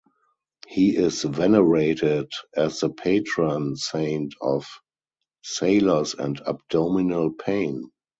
He is venerated as the patron saint of sailors and abdominal pain.